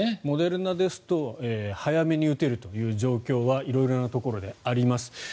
モデルナですと早めに打てるという状況は色々なところであります。